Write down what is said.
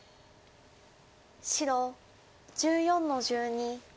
白１４の十二。